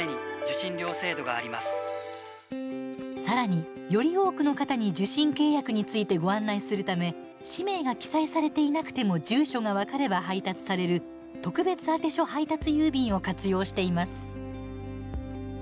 さらに、より多くの方に受信契約についてご案内するため氏名が記載されていなくても住所が分かれば配達される特別あて所配達郵便を活用しています。